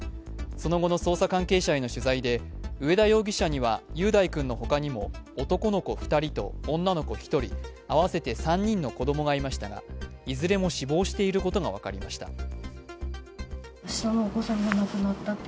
その後の捜査関係者への取材で、上田容疑者には雄大君のほかにも男の子２人と女の子１人、合わせて３人の子供がいましたが、いずれも死亡していることが分かりました。